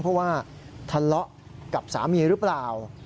เพราะว่าทะเลาะกับสามีหรือเปล่า